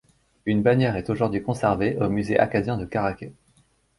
Une bannière est aujourd'hui conservée au Musée acadien de Caraquet.